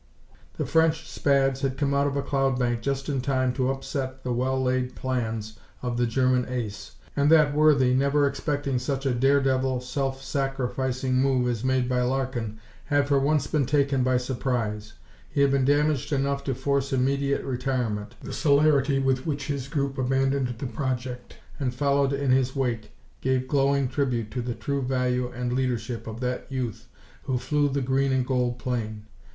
The French Spads had come out of a cloud bank just in time to upset the well laid plans of the German ace, and that worthy, never expecting such a dare devil, self sacrificing move as made by Larkin, had for once been taken by surprise. He had been damaged enough to force immediate retirement. The celerity with which his group abandoned the project and followed in his wake gave glowing tribute to the true value and leadership of that youth who flew the green and gold plane.